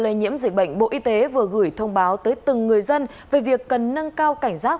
lây nhiễm dịch bệnh bộ y tế vừa gửi thông báo tới từng người dân về việc cần nâng cao cảnh giác